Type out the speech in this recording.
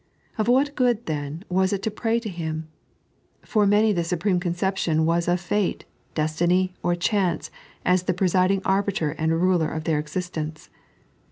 Of what good, then, was it to pray to Him I For many the supreme conception was of fate, destiny, or chance, as the presiding arbiter and ruler of their existence.